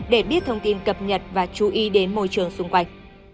để biết thông tin cập nhật và chú ý đến môi trường xung quanh